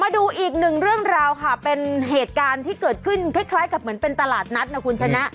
มาดูอีกหนึ่งเรื่องราวค่ะเป็นเหตุการณ์ที่เกิดขึ้นคล้ายกับเหมือนเป็นตลาดนัดนะคุณชนะ